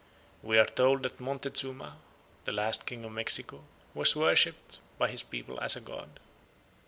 We are told that Montezuma, the last king of Mexico, was worshipped by his people as a god.